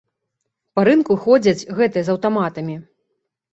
Па рынку ходзяць гэтыя з аўтаматамі.